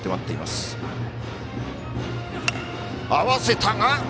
合わせた！